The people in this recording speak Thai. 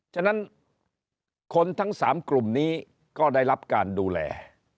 ฉะนั้นคนทั้ง๓กลุ่มนี้ก็ได้รับการดูแล